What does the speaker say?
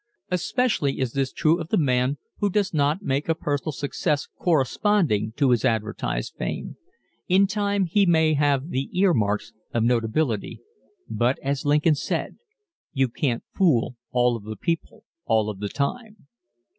Especially is this true of the man who does not make a personal success corresponding to his advertised fame. In time he may have the "ear marks" of notability but, as Lincoln said: "_You can't fool all of the people all of the time.